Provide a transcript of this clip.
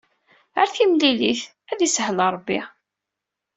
Ar timlilit, ad isahel Ṛebbi.